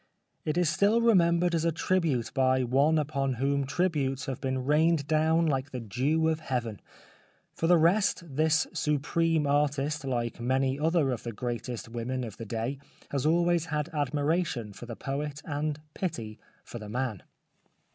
It is still remembered as a tribute by one upon whom tributes have been rained down like the dew of heaven. For the rest this supreme artist like many other of the greatest women of the day has always had admiration for the poet and pity for the man.